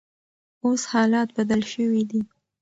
اوس حالات بدل شوي دي.